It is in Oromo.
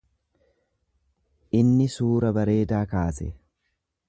Inni suura bareedaa kaase.